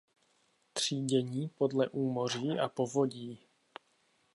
Třídění podle úmoří a povodí.